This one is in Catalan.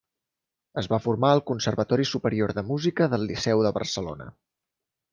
Es va formar al Conservatori Superior de Música del Liceu de Barcelona.